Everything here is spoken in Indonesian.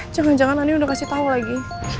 jangan jangan andi udah kasih tau lagi